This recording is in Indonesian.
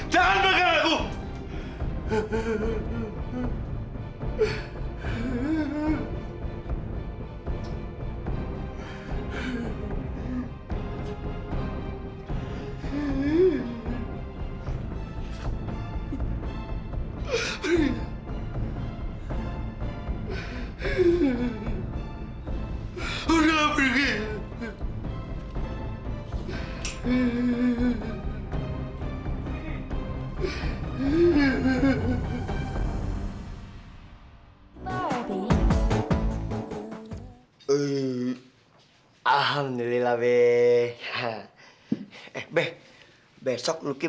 jangan ambil jangan ambil jangan ambil jangan